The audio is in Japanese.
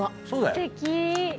すてき！